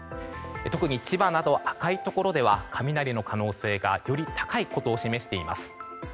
特に千葉など赤いところでは雷の可能性がより高いことを示しています。